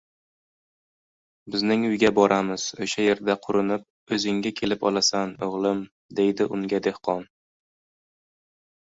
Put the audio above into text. – Bizning uyga boramiz. Oʻsha yerda qurinib, oʻzingga kelib olasan, oʻgʻlim, – deydi unga dehqon.